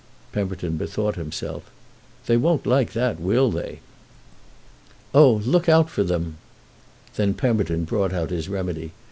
Pemberton bethought himself. "They won't like that, will they?" "Oh look out for them!" Then Pemberton brought out his remedy.